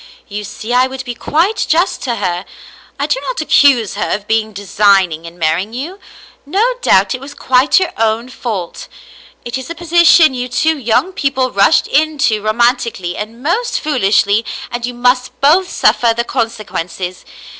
You see I would be quite just to her. I do not accuse her of being designing in marrying you. No doubt it was quite your own fault. It is a posi tion you two young people rushed into romantically and most foolishly, and you must both suffer the consequences.